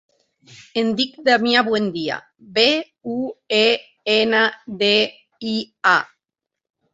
Em dic Damià Buendia: be, u, e, ena, de, i, a.